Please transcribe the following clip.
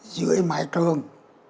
dưới mạng trường